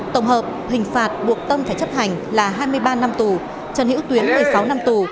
tổng hợp hình phạt buộc tâm phải chấp hành là hai mươi ba năm tù trần hữu tuyến một mươi sáu năm tù